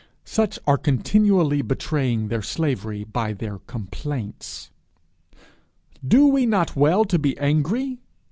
Such are continually betraying their slavery by their complaints. 'Do we not well to be angry?'